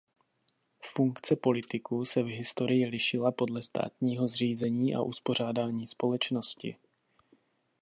Funkce politiků se v historii lišila podle státního zřízení a uspořádání společnosti.